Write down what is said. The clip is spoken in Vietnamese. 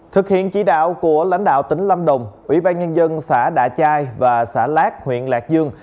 thực hiện chỉ đạo của lãnh đạo tỉnh lâm đồng ủy ban nhân dân xã đạ chai và xã lát huyện lạc dương